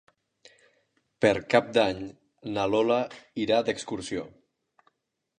Per Cap d'Any na Lola irà d'excursió.